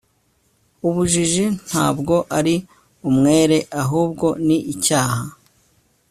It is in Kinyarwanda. ubujiji ntabwo ari umwere ahubwo ni icyaha